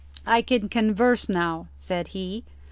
"I can converse now," said he.